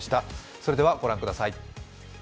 それではご覧ください。